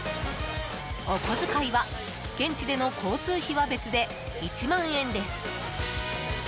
お小遣いは現地での交通費は別で１万円です。